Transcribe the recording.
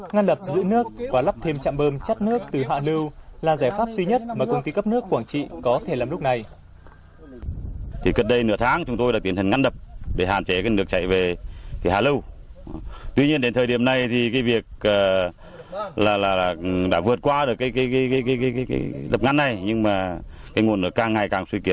ngăn đập giữ nước và lắp thêm chạm bơm chất nước từ hạ lưu là giải pháp duy nhất mà công ty cấp nước quảng trị có thể làm lúc này